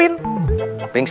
pingin pengen pengen